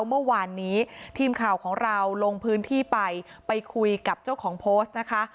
เมื่อวานนี้ทีมข่าวของเราลงพื้นที่ไปไปคุยกับเจ้าของโพสต์นะคะ